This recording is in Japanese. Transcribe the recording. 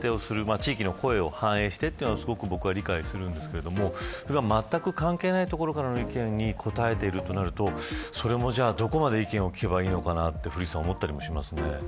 地域の声を反映してというのは僕は理解しますがまったく関係ない所からの意見に答えているとなるとそれも、どこまで意見を聞けばいいのかなと思いますね。